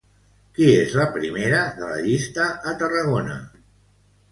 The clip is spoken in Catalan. Qui és la primera de la llista a Tarragona?